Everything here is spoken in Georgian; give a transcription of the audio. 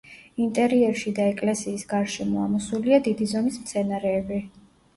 ინტერიერში და ეკლესიის გარშემო ამოსულია დიდი ზომის მცენარეები.